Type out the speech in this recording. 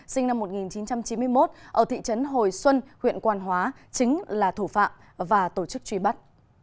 sinh năm một nghìn chín trăm chín mươi một ở thị trấn hồi xuân huyện quan hóa chính là thủ phạm và tổ chức truy bắt